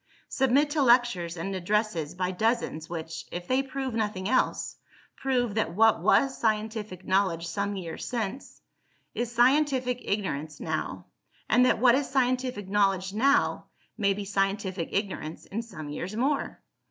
Submit to lectures and addresses by dozens which, if they prove nothing else, prove that what was scientific knowledge some years since; is scientific ignorance now and that what is scientific knowledge now, may be scientific ignorance in some years more.